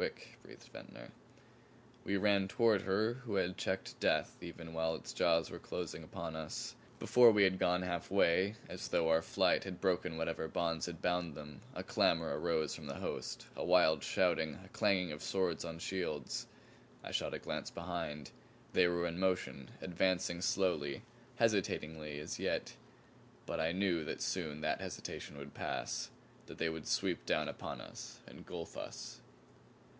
"Quick," breathed Ventnor. We ran toward her who had checked death even while its jaws were closing upon us. Before we had gone half way, as though our flight had broken whatever bonds had bound them, a clamor arose from the host; a wild shouting, a clanging of swords on shields. I shot a glance behind. They were in motion, advancing slowly, hesitatingly as yet but I knew that soon that hesitation would pass; that they would sweep down upon us, engulf us.